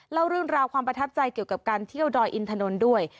เล่าเรื่องราวความประทับใจเกี่ยวกับการเที่ยวดอยอินถนนด้วย